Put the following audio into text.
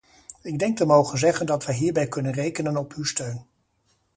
Ik denk te mogen zeggen dat wij hierbij kunnen rekenen op uw steun.